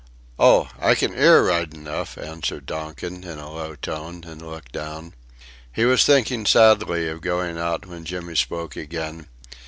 "Oh! I can 'ear right enough," answered Donkin in a low tone, and looked down. He was thinking sadly of going out when Jimmy spoke again.